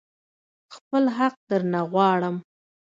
خپل حق درنه غواړم.